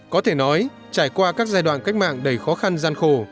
có thể nói trải qua các giai đoạn cách mạng đầy khó khăn gian khổ